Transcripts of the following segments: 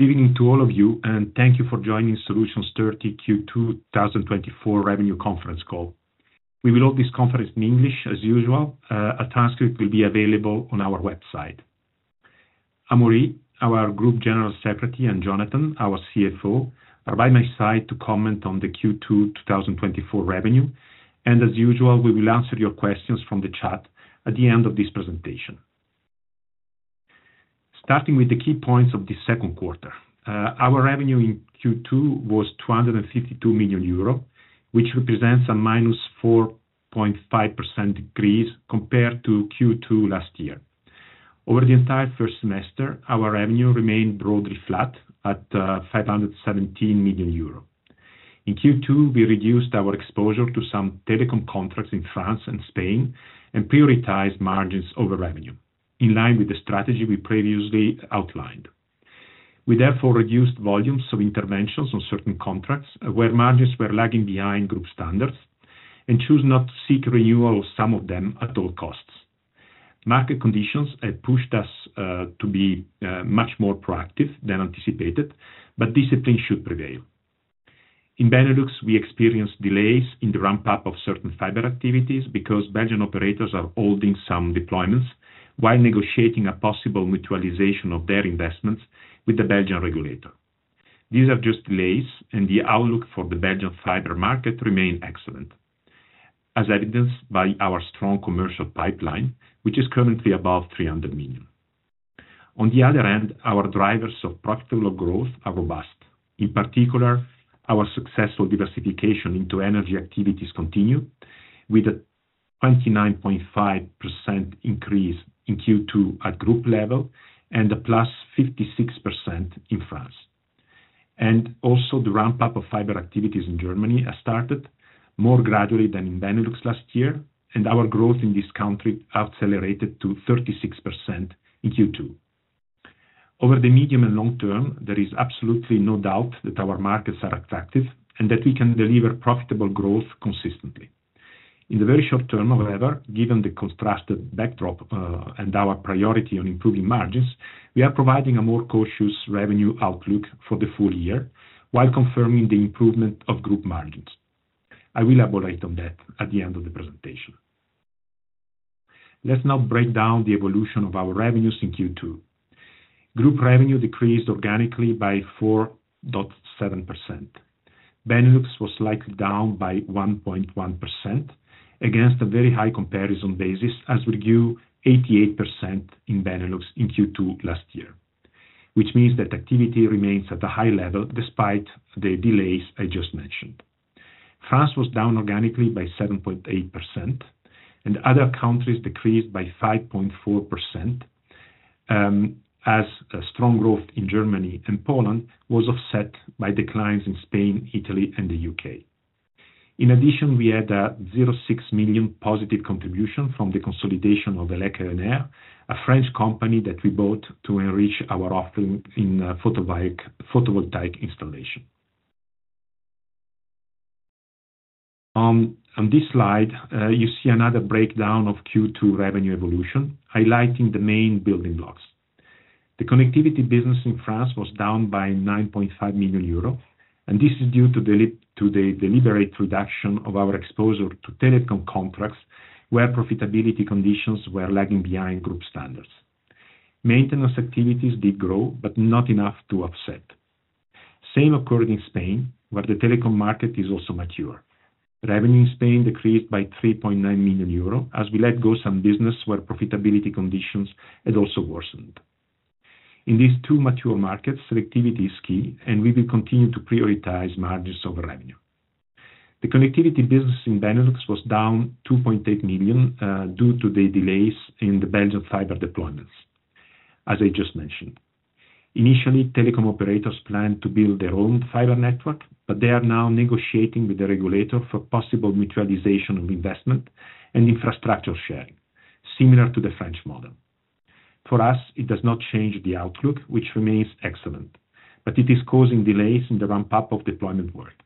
Good evening to all of you, and thank you for joining Solutions 30 Q2 2024 Revenue Conference call. We will hold this conference in English, as usual. A transcript will be available on our website. Amaury, our Group General Secretary, and Jonathan, our CFO, are by my side to comment on the Q2 2024 revenue. And as usual, we will answer your questions from the chat at the end of this presentation. Starting with the key points of this Q2, our revenue in Q2 was 252 million euro, which represents a minus 4.5% decrease compared to Q2 last year. Over the entire first semester, our revenue remained broadly flat at 517 million euro. In Q2, we reduced our exposure to some telecom contracts in France and Spain and prioritized margins over revenue, in line with the strategy we previously outlined. We therefore reduced volumes of interventions on certain contracts where margins were lagging behind group standards and chose not to seek renewal of some of them at all costs. Market conditions had pushed us to be much more proactive than anticipated, but discipline should prevail. In Benelux, we experienced delays in the ramp-up of certain fiber activities because Belgian operators are holding some deployments while negotiating a possible mutualization of their investments with the Belgian regulator. These are just delays, and the outlook for the Belgian fiber market remains excellent, as evidenced by our strong commercial pipeline, which is currently above 300 million. On the other hand, our drivers of profitable growth are robust. In particular, our successful diversification into energy activities continued, with a 29.5% increase in Q2 at group level and a +56% in France. Also, the ramp-up of fiber activities in Germany has started more gradually than in Benelux last year, and our growth in this country accelerated to 36% in Q2. Over the medium and long term, there is absolutely no doubt that our markets are attractive and that we can deliver profitable growth consistently. In the very short term, however, given the contrasted backdrop and our priority on improving margins, we are providing a more cautious revenue outlook for the full year while confirming the improvement of group margins. I will elaborate on that at the end of the presentation. Let's now break down the evolution of our revenues in Q2. Group revenue decreased organically by 4.7%. Benelux was slightly down by 1.1% against a very high comparison basis, as we grew 88% in Benelux in Q2 last year, which means that activity remains at a high level despite the delays I just mentioned. France was down organically by 7.8%, and other countries decreased by 5.4%, as strong growth in Germany and Poland was offset by declines in Spain, Italy, and the UK. In addition, we had a 0.6 million positive contribution from the consolidation of ELEC ENR, a French company that we bought to enrich our offering in photovoltaic installation. On this slide, you see another breakdown of Q2 revenue evolution, highlighting the main building blocks. The connectivity business in France was down by 9.5 million euros, and this is due to the deliberate reduction of our exposure to telecom contracts where profitability conditions were lagging behind group standards. Maintenance activities did grow, but not enough to offset. Same occurred in Spain, where the telecom market is also mature. Revenue in Spain decreased by 3.9 million euro, as we let go some business where profitability conditions had also worsened. In these two mature markets, selectivity is key, and we will continue to prioritize margins over revenue. The connectivity business in Benelux was down 2.8 million due to the delays in the Belgian fiber deployments, as I just mentioned. Initially, telecom operators planned to build their own fiber network, but they are now negotiating with the regulator for possible mutualization of investment and infrastructure sharing, similar to the French model. For us, it does not change the outlook, which remains excellent, but it is causing delays in the ramp-up of deployment work.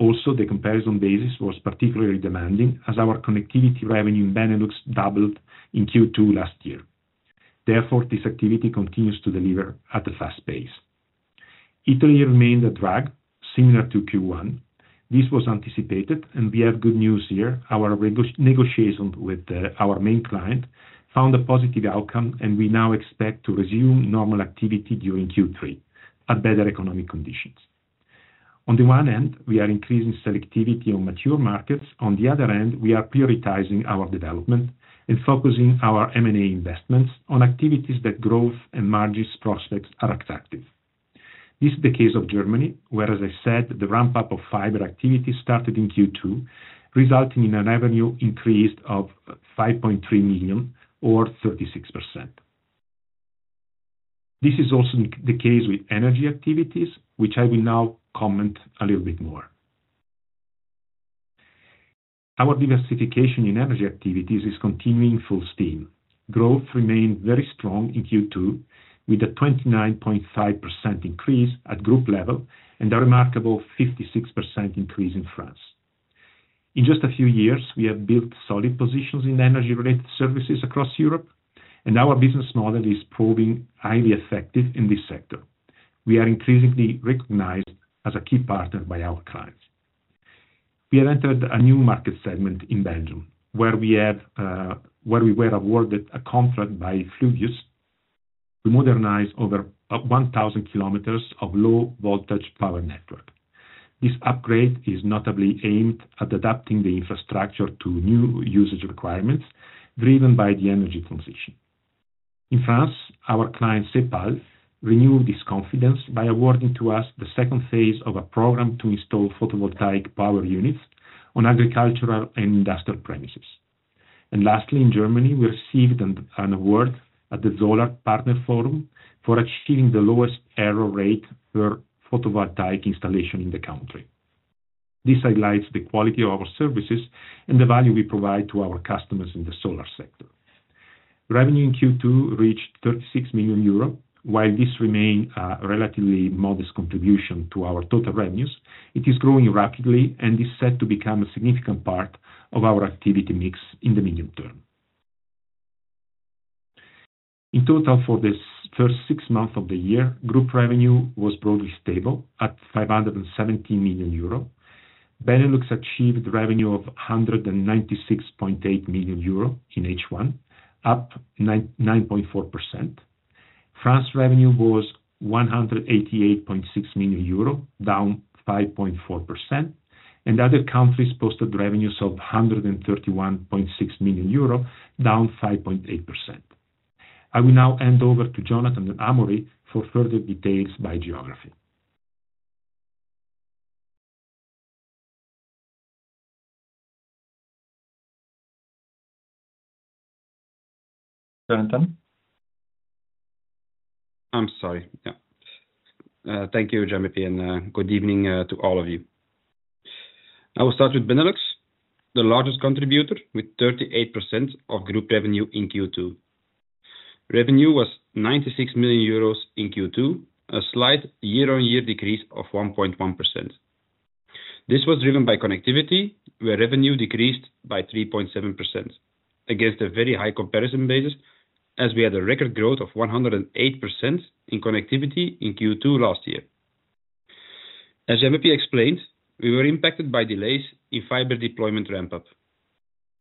Also, the comparison basis was particularly demanding, as our connectivity revenue in Benelux doubled in Q2 last year. Therefore, this activity continues to deliver at a fast pace. Italy remained a drag, similar to Q1. This was anticipated, and we have good news here. Our negotiation with our main client found a positive outcome, and we now expect to resume normal activity during Q3 at better economic conditions. On the one hand, we are increasing selectivity on mature markets. On the other hand, we are prioritizing our development and focusing our M&A investments on activities that growth and margins prospects are attractive. This is the case of Germany, where, as I said, the ramp-up of fiber activity started in Q2, resulting in a revenue increase of 5.3 million, or 36%. This is also the case with energy activities, which I will now comment a little bit more. Our diversification in energy activities is continuing full steam. Growth remained very strong in Q2, with a 29.5% increase at group level and a remarkable 56% increase in France. In just a few years, we have built solid positions in energy-related services across Europe, and our business model is proving highly effective in this sector. We are increasingly recognized as a key partner by our clients. We have entered a new market segment in Belgium, where we were awarded a contract by Fluvius. We modernized over 1,000 kilometers of low-voltage power network. This upgrade is notably aimed at adapting the infrastructure to new usage requirements driven by the energy transition. In France, our client CEPAL renewed this confidence by awarding to us the second phase of a program to install photovoltaic power units on agricultural and industrial premises. And lastly, in Germany, we received an award at the Zolar Partner Forum for achieving the lowest error rate per photovoltaic installation in the country. This highlights the quality of our services and the value we provide to our customers in the solar sector. Revenue in Q2 reached 36 million euro. While this remains a relatively modest contribution to our total revenues, it is growing rapidly and is set to become a significant part of our activity mix in the medium term. In total, for the first six months of the year, group revenue was broadly stable at 517 million euro. Benelux achieved revenue of 196.8 million euro in H1, up 9.4%. France's revenue was 188.6 million euro, down 5.4%, and other countries posted revenues of 131.6 million euro, down 5.8%. I will now hand over to Jonathan and Amaury for further details by geography. Jonathan? I'm sorry. Yeah. Thank you, Gianbeppi, and good evening to all of you. I will start with Benelux, the largest contributor with 38% of group revenue in Q2. Revenue was 96 million euros in Q2, a slight year-on-year decrease of 1.1%. This was driven by connectivity, where revenue decreased by 3.7% against a very high comparison basis, as we had a record growth of 108% in connectivity in Q2 last year. As Gianbeppi explained, we were impacted by delays in fiber deployment ramp-up.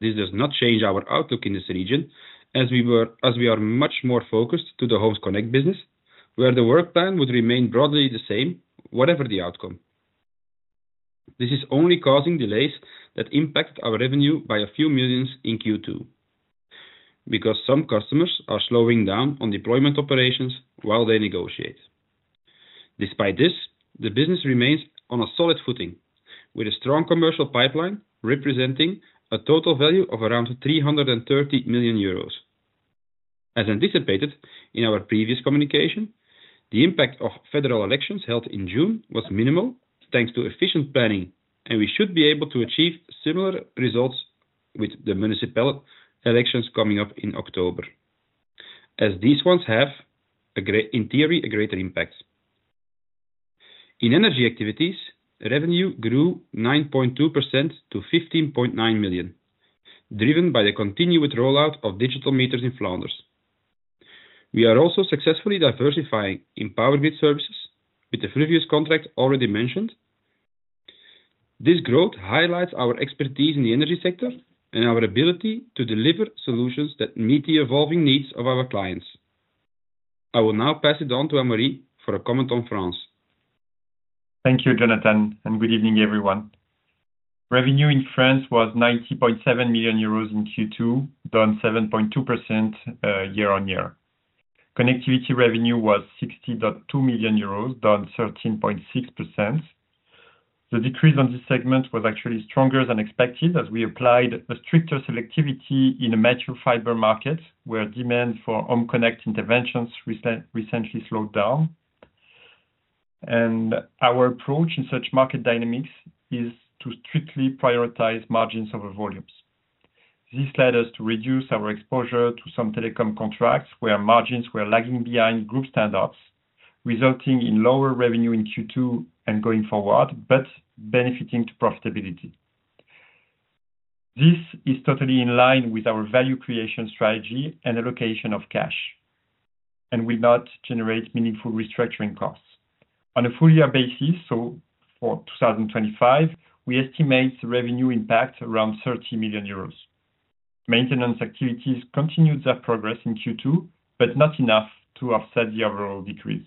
This does not change our outlook in this region, as we are much more focused on the Home Connect business, where the work plan would remain broadly the same, whatever the outcome. This is only causing delays that impacted our revenue by a few million EUR in Q2 because some customers are slowing down on deployment operations while they negotiate. Despite this, the business remains on a solid footing, with a strong commercial pipeline representing a total value of around 330 million euros. As anticipated in our previous communication, the impact of federal elections held in June was minimal thanks to efficient planning, and we should be able to achieve similar results with the municipal elections coming up in October, as these ones have, in theory, a greater impact. In energy activities, revenue grew 9.2% to 15.9 million, driven by the continued rollout of digital meters in Flanders. We are also successfully diversifying in power grid services with the Fluvius contract already mentioned. This growth highlights our expertise in the energy sector and our ability to deliver solutions that meet the evolving needs of our clients. I will now pass it on to Amaury for a comment on France. Thank you, Jonathan, and good evening, everyone. Revenue in France was 90.7 million euros in Q2, down 7.2% year-on-year. Connectivity revenue was 60.2 million euros, down 13.6%. The decrease in this segment was actually stronger than expected as we applied a stricter selectivity in a mature fiber market where demand for home connect interventions recently slowed down. Our approach in such market dynamics is to strictly prioritize margins over volumes. This led us to reduce our exposure to some telecom contracts where margins were lagging behind group standards, resulting in lower revenue in Q2 and going forward, but benefiting to profitability. This is totally in line with our value creation strategy and allocation of cash and will not generate meaningful restructuring costs. On a full-year basis, so for 2025, we estimate the revenue impact around 30 million euros. Maintenance activities continued their progress in Q2, but not enough to offset the overall decrease.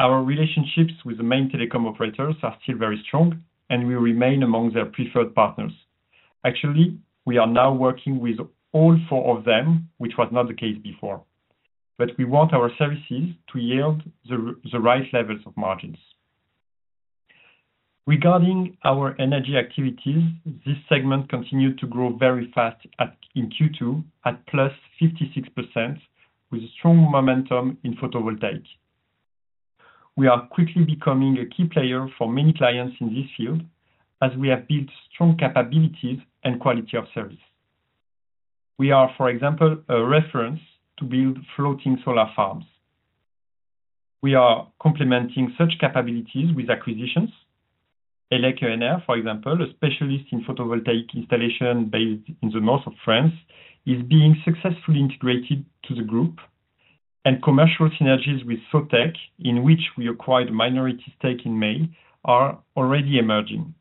Our relationships with the main telecom operators are still very strong, and we remain among their preferred partners. Actually, we are now working with all four of them, which was not the case before, but we want our services to yield the right levels of margins. Regarding our energy activities, this segment continued to grow very fast in Q2 at +56%, with strong momentum in photovoltaic. We are quickly becoming a key player for many clients in this field as we have built strong capabilities and quality of service. We are, for example, a reference to build floating solar farms. We are complementing such capabilities with acquisitions. And like ENR, for example, a specialist in photovoltaic installation based in the north of France, is being successfully integrated to the group, and commercial synergies with Sotec, in which we acquired a minority stake in May, are already emerging.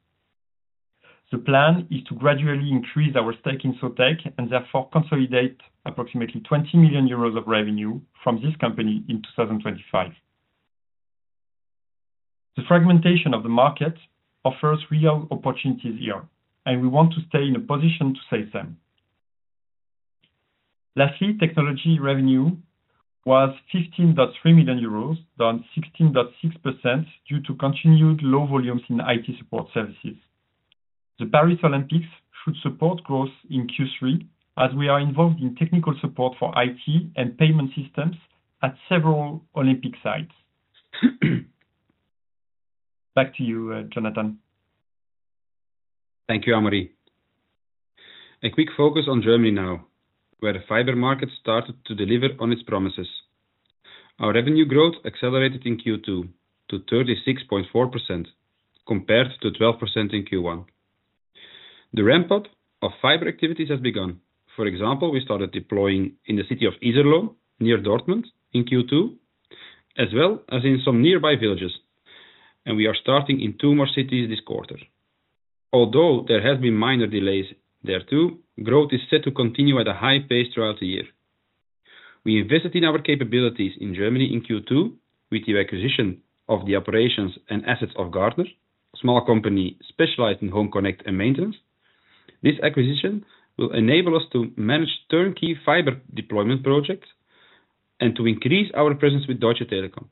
The plan is to gradually increase our stake in Sotec and therefore consolidate approximately 20 million euros of revenue from this company in 2025. The fragmentation of the market offers real opportunities here, and we want to stay in a position to save them. Lastly, technology revenue was 15.3 million euros, down 16.6% due to continued low volumes in IT support services. The Paris Olympics should support growth in Q3 as we are involved in technical support for IT and payment systems at several Olympic sites. Back to you, Jonathan. Thank you, Amaury. A quick focus on Germany now, where the fiber market started to deliver on its promises. Our revenue growth accelerated in Q2 to 36.4% compared to 12% in Q1. The ramp-up of fiber activities has begun. For example, we started deploying in the city of Iserlohn, near Dortmund, in Q2, as well as in some nearby villages, and we are starting in two more cities this quarter. Although there have been minor delays there too, growth is set to continue at a high pace throughout the year. We invested in our capabilities in Germany in Q2 with the acquisition of the operations and assets of Gaertner, a small company specialized in Home Connect and maintenance. This acquisition will enable us to manage Turnkey Fiber Deployment Projects and to increase our presence with Deutsche Telekom.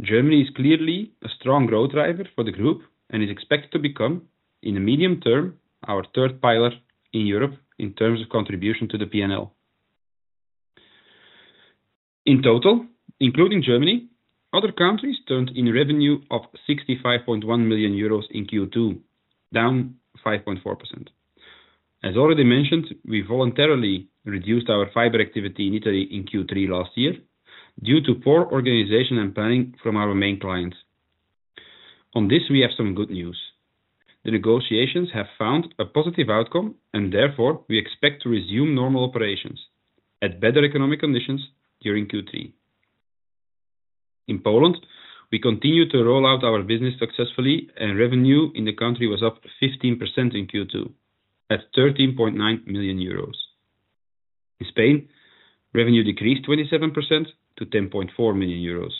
Germany is clearly a strong growth driver for the group and is expected to become, in the medium term, our third pillar in Europe in terms of contribution to the PNL. In total, including Germany, other countries turned in revenue of 65.1 million euros in Q2, down 5.4%. As already mentioned, we voluntarily reduced our fiber activity in Italy in Q3 last year due to poor organization and planning from our main clients. On this, we have some good news. The negotiations have found a positive outcome, and therefore we expect to resume normal operations at better economic conditions during Q3. In Poland, we continue to roll out our business successfully, and revenue in the country was up 15% in Q2 at 13.9 million euros. In Spain, revenue decreased 27% to 10.4 million euros.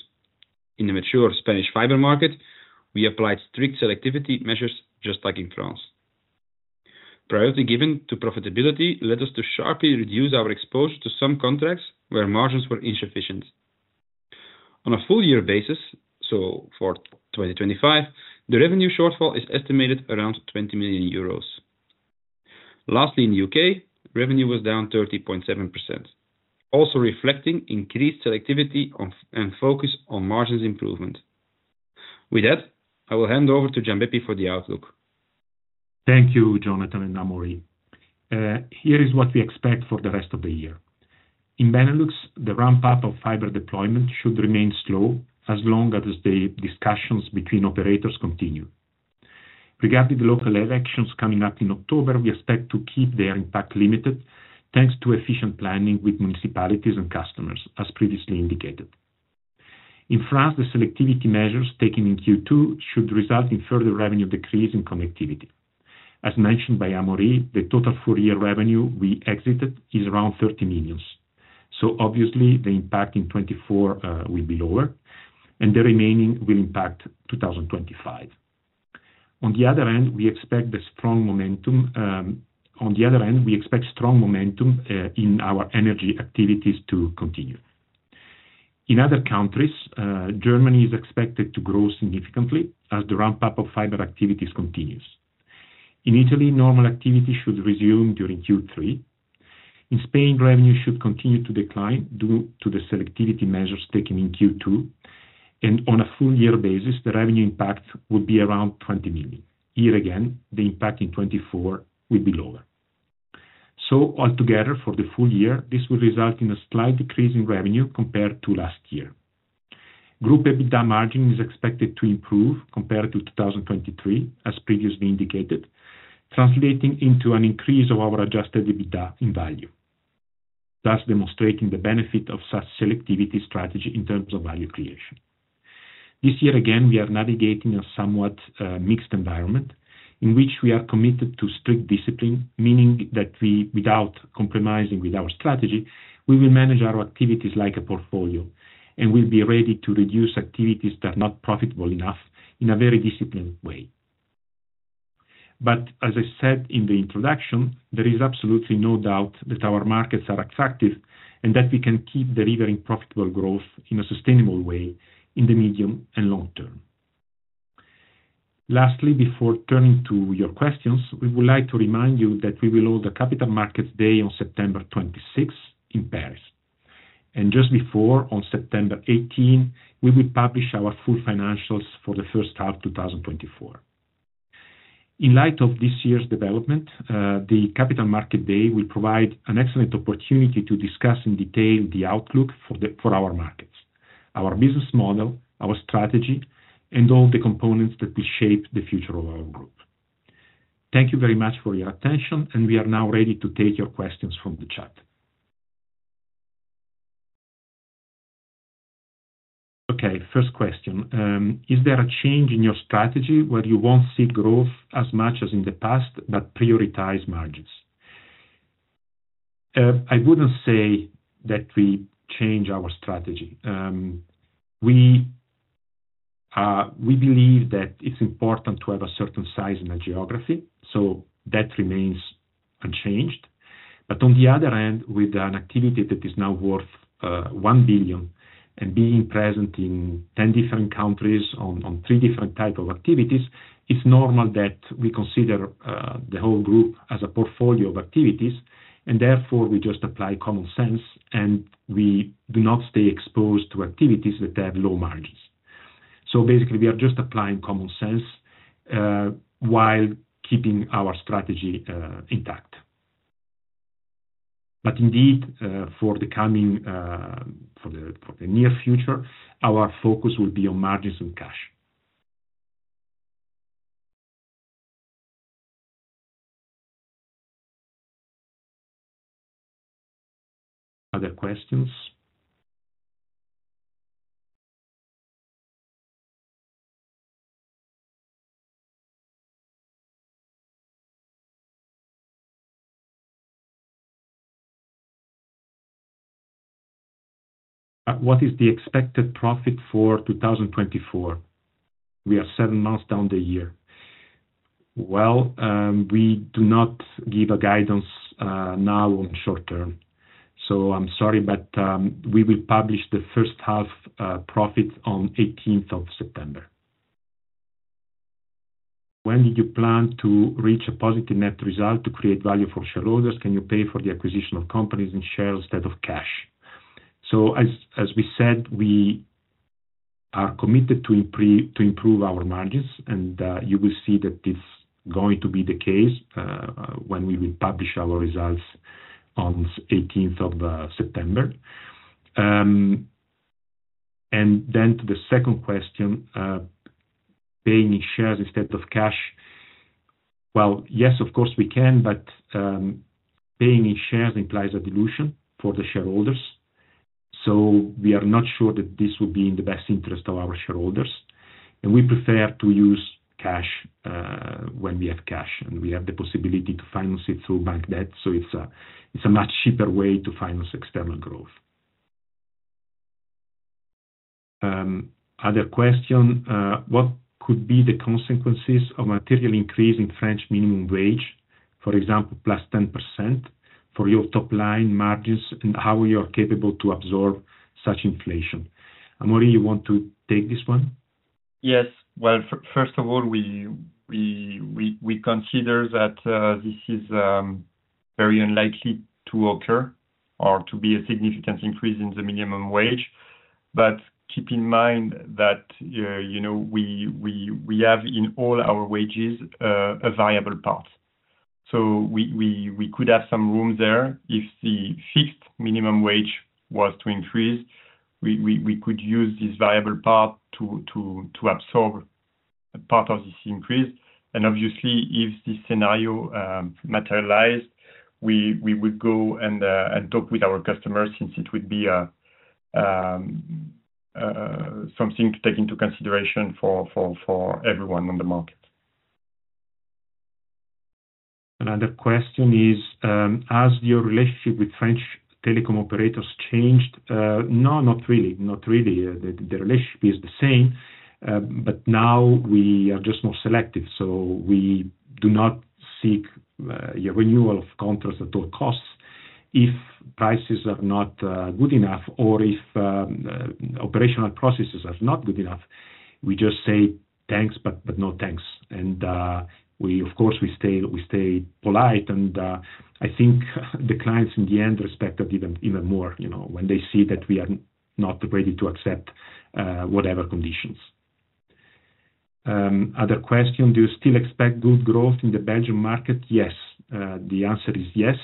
In the mature Spanish fiber market, we applied strict selectivity measures just like in France. Priority given to profitability led us to sharply reduce our exposure to some contracts where margins were insufficient. On a full-year basis, so for 2025, the revenue shortfall is estimated around 20 million euros. Lastly, in the U.K., revenue was down 30.7%, also reflecting increased selectivity and focus on margins improvement. With that, I will hand over to Gianbeppi for the outlook. Thank you, Jonathan and Amaury. Here is what we expect for the rest of the year. In Benelux, the ramp-up of fiber deployment should remain slow as long as the discussions between operators continue. Regarding the local elections coming up in October, we expect to keep their impact limited thanks to efficient planning with municipalities and customers, as previously indicated. In France, the selectivity measures taken in Q2 should result in further revenue decrease in connectivity. As mentioned by Amaury, the total full-year revenue we exited is around 30 million. So obviously, the impact in 2024 will be lower, and the remaining will impact 2025. On the other hand, we expect the strong momentum in our energy activities to continue. In other countries, Germany is expected to grow significantly as the ramp-up of fiber activities continues. In Italy, normal activity should resume during Q3. In Spain, revenue should continue to decline due to the selectivity measures taken in Q2, and on a full-year basis, the revenue impact would be around 20 million. Here again, the impact in 2024 will be lower. So altogether, for the full year, this will result in a slight decrease in revenue compared to last year. Group EBITDA margin is expected to improve compared to 2023, as previously indicated, translating into an increase of our Adjusted EBITDA in value, thus demonstrating the benefit of such selectivity strategy in terms of value creation. This year again, we are navigating a somewhat mixed environment in which we are committed to strict discipline, meaning that without compromising with our strategy, we will manage our activities like a portfolio and will be ready to reduce activities that are not profitable enough in a very disciplined way. But as I said in the introduction, there is absolutely no doubt that our markets are attractive and that we can keep delivering profitable growth in a sustainable way in the medium and long term. Lastly, before turning to your questions, we would like to remind you that we will hold a Capital Markets Day on September 26 in Paris. And just before, on September 18, we will publish our full financials for the first half of 2024. In light of this year's development, the Capital Markets Day will provide an excellent opportunity to discuss in detail the outlook for our markets, our business model, our strategy, and all the components that will shape the future of our group. Thank you very much for your attention, and we are now ready to take your questions from the chat. Okay, first question. Is there a change in your strategy where you won't see growth as much as in the past but prioritize margins? I wouldn't say that we change our strategy. We believe that it's important to have a certain size in the geography, so that remains unchanged. But on the other hand, with an activity that is now worth 1 billion and being present in 10 different countries on three different types of activities, it's normal that we consider the whole group as a portfolio of activities, and therefore we just apply common sense, and we do not stay exposed to activities that have low margins. So basically, we are just applying common sense while keeping our strategy intact. But indeed, for the near future, our focus will be on margins and cash. Other questions? What is the expected profit for 2024? We are seven months down the year. Well, we do not give a guidance now on short term, so I'm sorry, but we will publish the first half profit on the 18th of September. When did you plan to reach a positive net result to create value for shareholders? Can you pay for the acquisition of companies and shares instead of cash? So as we said, we are committed to improve our margins, and you will see that it's going to be the case when we will publish our results on the 18th of September. And then to the second question, paying in shares instead of cash. Well, yes, of course we can, but paying in shares implies a dilution for the shareholders, so we are not sure that this will be in the best interest of our shareholders, and we prefer to use cash when we have cash, and we have the possibility to finance it through bank debt, so it's a much cheaper way to finance external growth. Other question. What could be the consequences of a material increase in French minimum wage, for example, +10% for your top-line margins, and how are you capable to absorb such inflation? Amaury, you want to take this one? Yes. Well, first of all, we consider that this is very unlikely to occur or to be a significant increase in the minimum wage, but keep in mind that we have in all our wages a variable part. So we could have some room there if the fixed minimum wage was to increase. We could use this variable part to absorb a part of this increase. And obviously, if this scenario materialized, we would go and talk with our customers since it would be something to take into consideration for everyone on the market. Another question is, has your relationship with French telecom operators changed? No, not really. Not really. The relationship is the same, but now we are just more selective, so we do not seek renewal of contracts at all costs. If prices are not good enough or if operational processes are not good enough, we just say thanks, but no thanks. And of course, we stay polite, and I think the clients in the end respect that even more when they see that we are not ready to accept whatever conditions. Other question. Do you still expect good growth in the Belgian market? Yes. The answer is yes.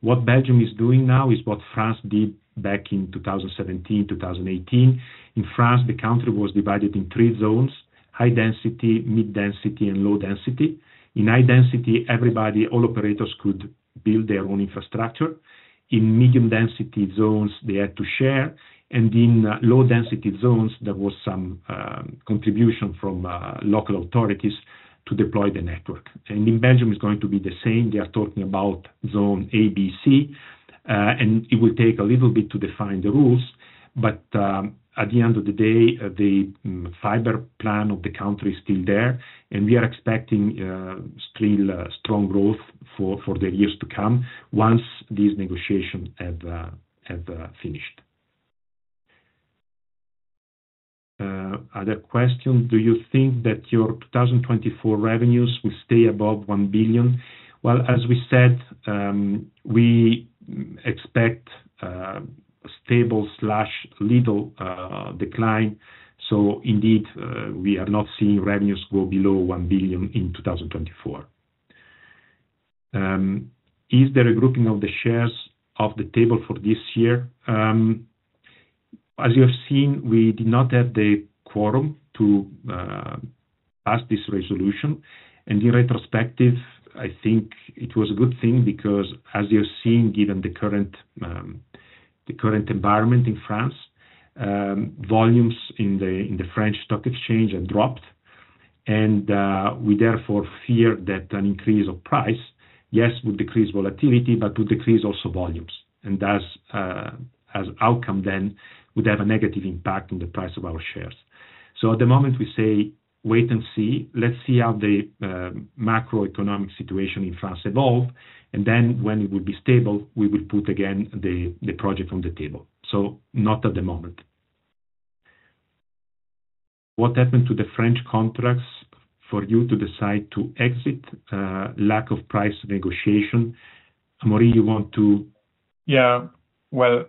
What Belgium is doing now is what France did back in 2017, 2018. In France, the country was divided in three zones: high density, mid density, and low density. In high density, all operators could build their own infrastructure. In medium density zones, they had to share. In low density zones, there was some contribution from local authorities to deploy the network. In Belgium, it's going to be the same. They are talking about zone A, B, C, and it will take a little bit to define the rules, but at the end of the day, the fiber plan of the country is still there, and we are expecting still strong growth for the years to come once these negotiations have finished. Other question. Do you think that your 2024 revenues will stay above 1 billion? Well, as we said, we expect a stable/little decline, so indeed, we are not seeing revenues go below 1 billion in 2024. Is there a grouping of the shares of the table for this year? As you have seen, we did not have the quorum to pass this resolution, and in retrospective, I think it was a good thing because, as you have seen, given the current environment in France, volumes in the French stock exchange have dropped, and we therefore fear that an increase of price, yes, would decrease volatility, but would decrease also volumes, and as an outcome, then would have a negative impact on the price of our shares. So at the moment, we say, wait and see. Let's see how the macroeconomic situation in France evolves, and then when it will be stable, we will put again the project on the table. So not at the moment. What happened to the French contracts for you to decide to exit? Lack of price negotiation. Amaury, you want to? Yeah. Well,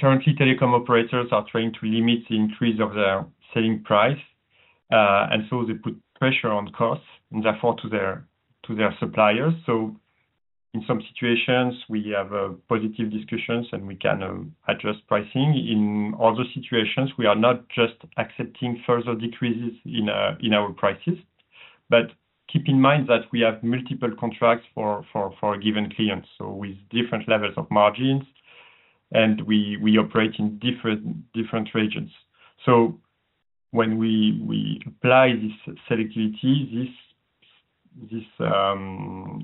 currently, telecom operators are trying to limit the increase of their selling price, and so they put pressure on costs and therefore to their suppliers. So in some situations, we have positive discussions, and we can adjust pricing. In other situations, we are not just accepting further decreases in our prices, but keep in mind that we have multiple contracts for a given client, so with different levels of margins, and we operate in different regions. So when we apply this selectivity, this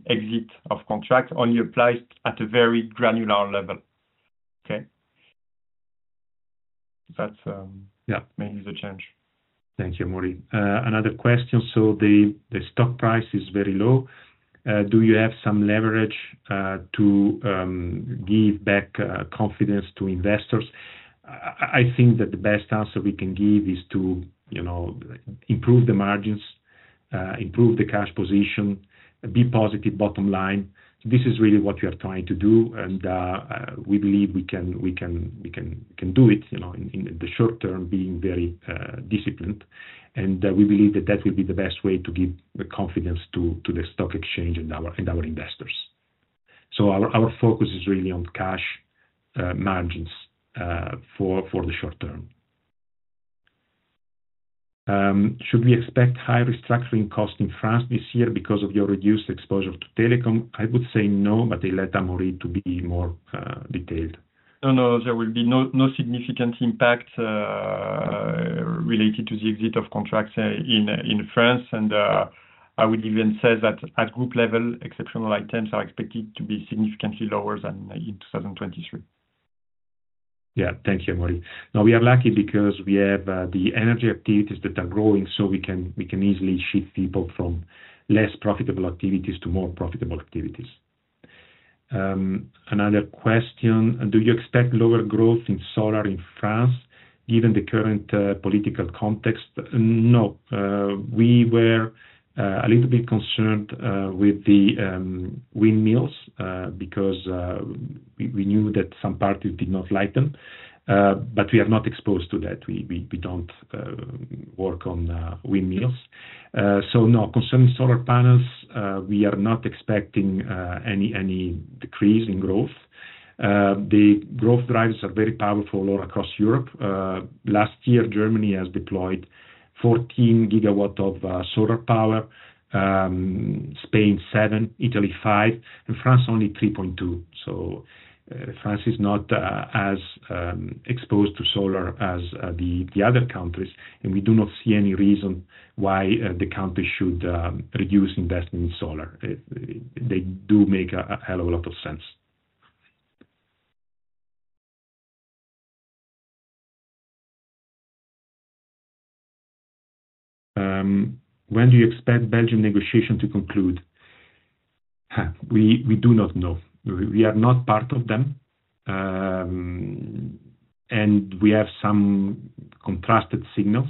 exit of contract only applies at a very granular level. Okay? That makes the change. Thank you, Amaury. Another question. So the stock price is very low. Do you have some leverage to give back confidence to investors? I think that the best answer we can give is to improve the margins, improve the cash position, be positive bottom line. This is really what we are trying to do, and we believe we can do it in the short term, being very disciplined, and we believe that that will be the best way to give confidence to the stock exchange and our investors. So our focus is really on cash margins for the short term. Should we expect high restructuring costs in France this year because of your reduced exposure to telecom? I would say no, but I'll let Amaury to be more detailed. No, no. There will be no significant impact related to the exit of contracts in France, and I would even say that at group level, exceptional items are expected to be significantly lower than in 2023. Yeah. Thank you, Amaury. Now, we are lucky because we have the energy activities that are growing, so we can easily shift people from less profitable activities to more profitable activities. Another question. Do you expect lower growth in solar in France given the current political context? No. We were a little bit concerned with the windmills because we knew that some parties did not like them, but we are not exposed to that. We don't work on windmills. So no. Concerning solar panels, we are not expecting any decrease in growth. The growth drives are very powerful all across Europe. Last year, Germany has deployed 14 gigawatts of solar power, Spain 7, Italy 5, and France only 3.2. So France is not as exposed to solar as the other countries, and we do not see any reason why the countries should reduce investment in solar. They do make a hell of a lot of sense. When do you expect Belgian negotiation to conclude? We do not know. We are not part of them, and we have some contrasted signals.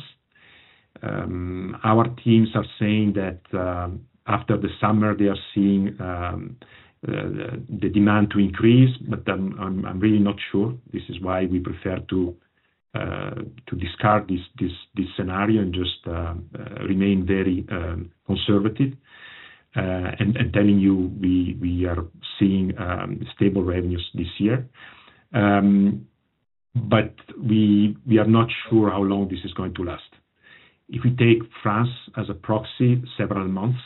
Our teams are saying that after the summer, they are seeing the demand to increase, but I'm really not sure. This is why we prefer to discard this scenario and just remain very conservative and telling you we are seeing stable revenues this year. But we are not sure how long this is going to last. If we take France as a proxy, several months,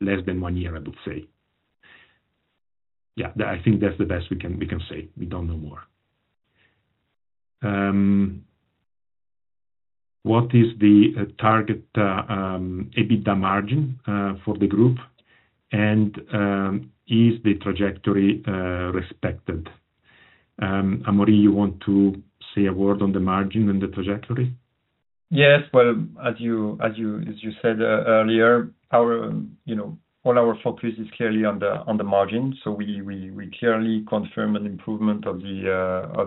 less than one year, I would say. Yeah, I think that's the best we can say. We don't know more. What is the target EBITDA margin for the group, and is the trajectory respected? Amaury, you want to say a word on the margin and the trajectory? Yes. Well, as you said earlier, all our focus is clearly on the margin, so we clearly confirm an improvement of the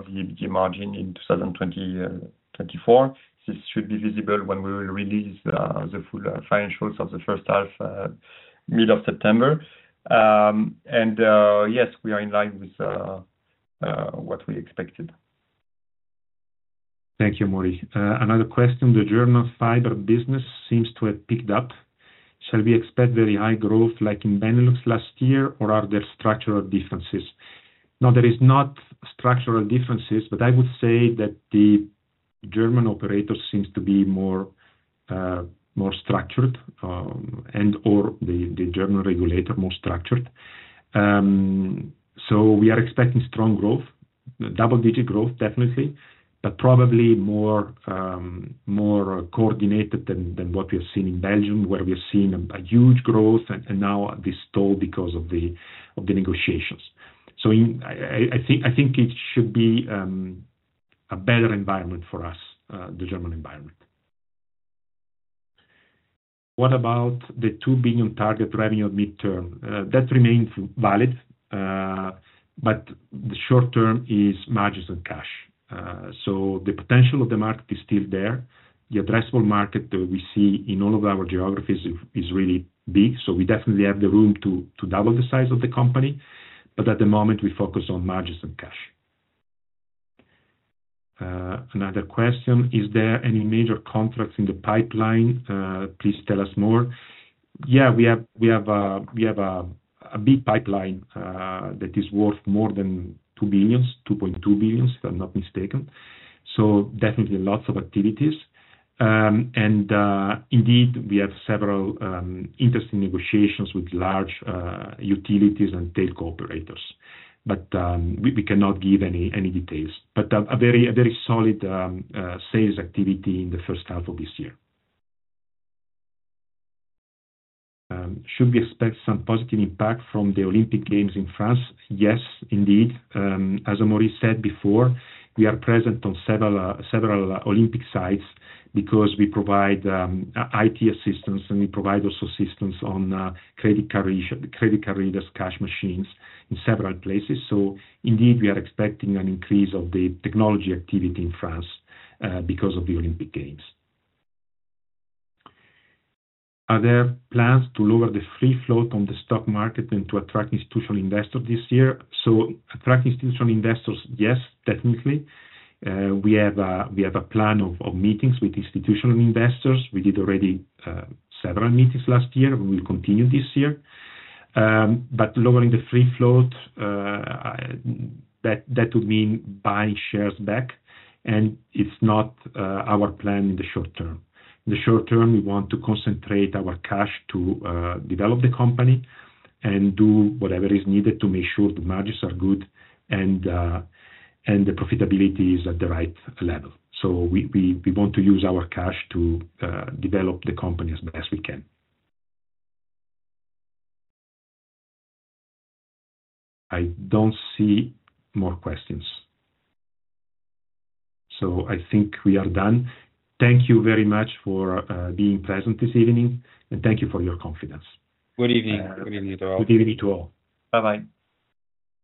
EBITDA margin in 2024. This should be visible when we will release the full financials of the first half, mid of September. And yes, we are in line with what we expected. Thank you, Amaury. Another question. The German fiber business seems to have picked up. Shall we expect very high growth like in Benelux last year, or are there structural differences? No, there are not structural differences, but I would say that the German operators seem to be more structured and/or the German regulator more structured. So we are expecting strong growth, double-digit growth, definitely, but probably more coordinated than what we have seen in Belgium, where we have seen a huge growth, and now this stall because of the negotiations. So I think it should be a better environment for us, the German environment. What about the 2 billion target revenue at midterm? That remains valid, but the short term is margins and cash. So the potential of the market is still there. The addressable market that we see in all of our geographies is really big, so we definitely have the room to double the size of the company, but at the moment, we focus on margins and cash. Another question. Is there any major contracts in the pipeline? Please tell us more. Yeah, we have a big pipeline that is worth more than 2 billion, 2.2 billion, if I'm not mistaken. So definitely lots of activities. And indeed, we have several interesting negotiations with large utilities and telco operators, but we cannot give any details, but a very solid sales activity in the first half of this year. Should we expect some positive impact from the Olympic Games in France? Yes, indeed. As Amaury said before, we are present on several Olympic sites because we provide IT assistance, and we provide also assistance on credit card readers, cash machines in several places. So indeed, we are expecting an increase of the technology activity in France because of the Olympic Games. Are there plans to lower the free float on the stock market and to attract institutional investors this year? So attract institutional investors, yes, technically. We have a plan of meetings with institutional investors. We did already several meetings last year. We will continue this year. But lowering the free float, that would mean buying shares back, and it's not our plan in the short term. In the short term, we want to concentrate our cash to develop the company and do whatever is needed to make sure the margins are good and the profitability is at the right level. So we want to use our cash to develop the company as best we can. I don't see more questions. I think we are done. Thank you very much for being present this evening, and thank you for your confidence. Good evening. Good evening to all. Good evening to all. Bye-bye.